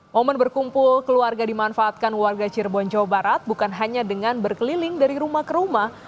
momen berkumpul keluarga dimanfaatkan warga cirebon jawa barat bukan hanya dengan berkeliling dari rumah ke rumah